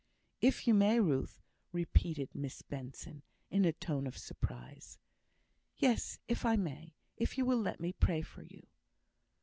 "If you may, Ruth!" repeated Miss Benson, in a tone of surprise. "Yes, if I may. If you will let me pray for you."